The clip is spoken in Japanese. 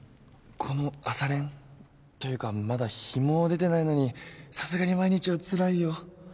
この朝練というかまだ日も出てないのにさすがに毎日はつらいよ。